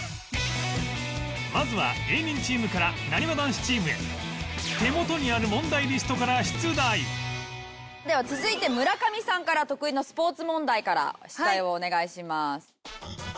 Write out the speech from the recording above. まずは芸人チームからなにわ男子チームへでは続いて村上さんから得意のスポーツ問題から出題をお願いします。